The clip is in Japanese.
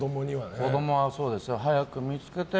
子供は早く見つけてよ